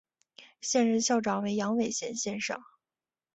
现任校长为杨伟贤先生。